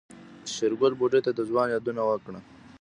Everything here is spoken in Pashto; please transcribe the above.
شېرګل بوډۍ ته د ځوانۍ يادونه وکړه.